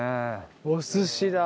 お寿司だ。